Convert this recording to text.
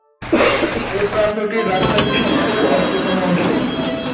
এই প্রান্তটি রাস্তাটির সবচেয়ে ব্যস্ততম অংশ।